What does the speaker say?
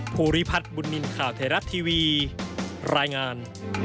ภูริพัฒน์บุญนินทร์ข่าวไทยรัฐทีวีรายงาน